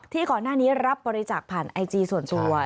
ก่อนหน้านี้รับบริจาคผ่านไอจีส่วนตัว